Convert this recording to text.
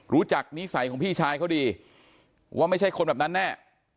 นิสัยของพี่ชายเขาดีว่าไม่ใช่คนแบบนั้นแน่